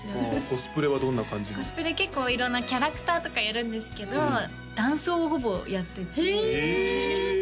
コスプレ結構色んなキャラクターとかやるんですけど男装をほぼやっててへえ！